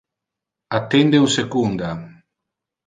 Attende un secunda.